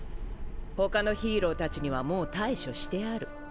他のヒーローたちにはもう対処してある。